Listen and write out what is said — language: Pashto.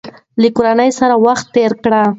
له کورنۍ سره وخت تېر کړئ.